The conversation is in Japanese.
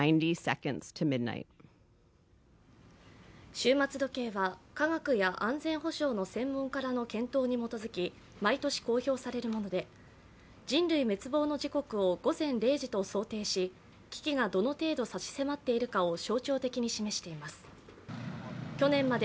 終末時計は科学や安全保障の専門家らの検討に基づき毎年公表されるもので、人類滅亡の時刻を午前０時と想定し、危機がどの程度差し迫っているかを象徴的に示しています。